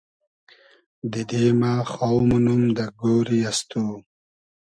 دیدې مۂ خاو مونوم دۂ گۉری از تو